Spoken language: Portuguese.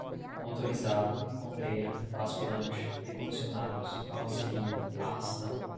motorizado, ponteira, basculante, recondicionados, carroceria, arrastão